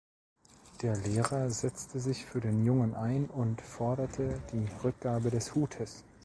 Der Lehrer setzte sich für den Jungen ein und forderte die Rückgabe des Hutes.